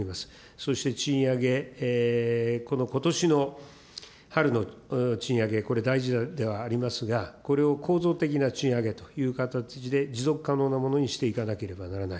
そして賃上げ、ことしの春の賃上げ、これ、大事ではありますが、これを構造的な賃上げという形で、持続可能なものにしていかなければならない。